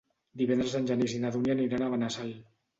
Divendres en Genís i na Dúnia aniran a Benassal.